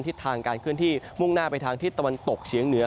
ทิศทางการเคลื่อนที่มุ่งหน้าไปทางทิศตะวันตกเฉียงเหนือ